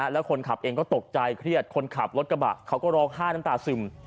แล้วคนขับเองก็ตกใจเครียดคนขับรถกระบะเขาก็ร้องไห้น้ำตาซึม